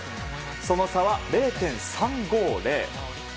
その差は０．３５０。